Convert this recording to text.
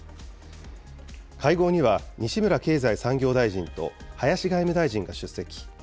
会合には、西村経済産業大臣と林外務大臣が出席。